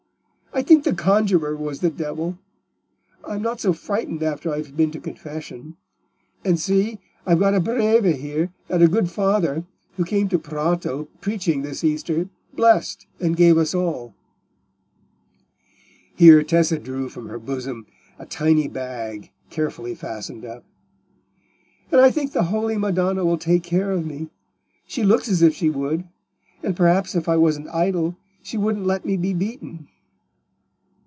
I think the conjuror was the devil. I am not so frightened after I've been to confession. And see, I've got a Breve here that a good father, who came to Prato preaching this Easter, blessed and gave us all." Here Tessa drew from her bosom a tiny bag carefully fastened up. "And I think the holy Madonna will take care of me; she looks as if she would; and perhaps if I wasn't idle, she wouldn't let me be beaten."